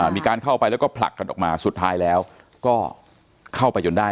มีการเข้าไปแล้วก็ผลักกันออกมาสุดท้ายแล้วก็เข้าไปจนได้